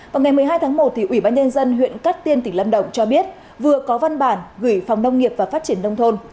vào ngày một mươi hai tháng một ủy ban nhân dân huyện cát tiên tỉnh lâm đồng cho biết vừa có văn bản gửi phòng nông nghiệp và phát triển nông thôn